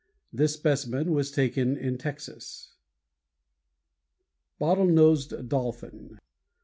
This specimen was taken in Texas. Page 134. =BOTTLE NOSED DOLPHIN.